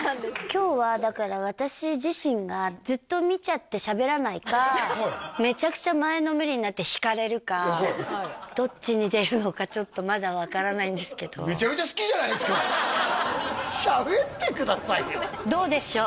今日はだから私自身がずっと見ちゃってしゃべらないかめちゃくちゃ前のめりになって引かれるかどっちに出るのかちょっとまだ分からないんですけどしゃべってくださいよどうでしょう？